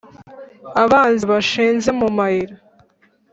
Abanzi bashinze mu mayira.